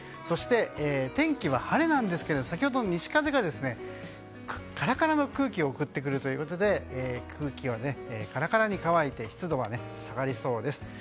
そして天気は晴れなんですが先ほどの西風がカラカラの空気を送ってくるということで空気はカラカラに乾いて湿度が下がりそうです。